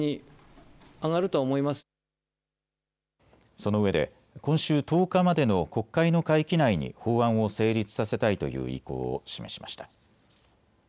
そのうえで今週１０日までの国会の会期内に法案を成立させたいという意向を示しました。